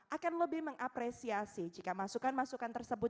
akan lebih mengapresiasi jika masukan masukan tersebut